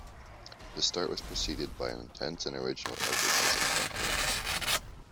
The start was preceded by an intense and original advertising campaign.